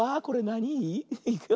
これなに「い」？